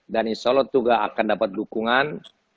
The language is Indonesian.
dan insya allah juga akan dapat dukungan